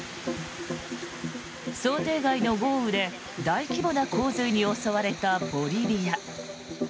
想定外の豪雨で大規模な洪水に襲われたボリビア。